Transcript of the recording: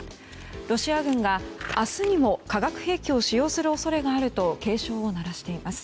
ロシア軍が明日にも化学兵器を使用する恐れがあると警鐘を鳴らしています。